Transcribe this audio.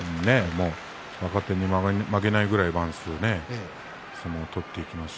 若手に負けないぐらいの相撲を取っていきます。